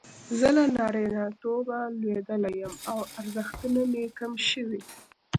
زه له نارینتوبه لویدلی یم او ارزښتونه مې کم شوي.